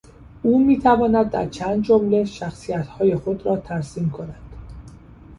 او میتواند در چند جمله شخصیتهای خود را ترسیم کند.